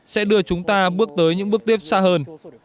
sẽ đưa chúng ta bước tới những bước tiếp xa hơn